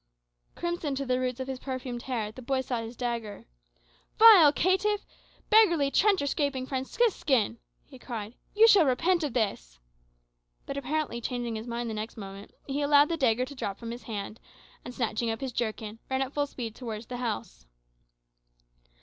Crimson to the roots of his perfumed hair, the boy sought his dagger. "Vile caitiff! beggarly trencher scraping Franciscan!" he cried, "you shall repent of this." But apparently changing his mind the next moment, he allowed the dagger to drop from his hand, and snatching up his jerkin, ran at full speed towards the house.